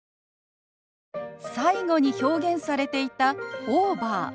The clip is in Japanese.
最後に表現されていた「オーバー」。